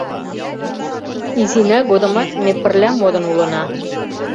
Изина годымат ме пырля модын улына.